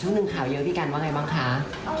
ชั่วหนึ่งเขาเยอะพี่กันว่าไงบ้างค่ะ